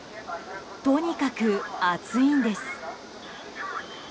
とにかく暑いんです。